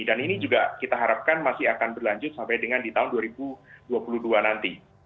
dan ini juga kita harapkan masih akan berlanjut sampai dengan di tahun dua ribu dua puluh dua nanti